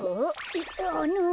えっあの？